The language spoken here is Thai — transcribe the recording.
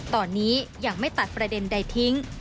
ตอนนี้ยังไม่ตัดประเด็นใดทิ้ง